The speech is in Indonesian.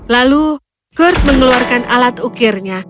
lalu kurt mengeluarkan alat ukirnya